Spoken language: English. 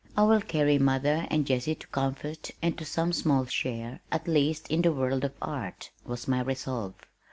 "I will carry mother and Jessie to comfort and to some small share, at least, in the world of art," was my resolve.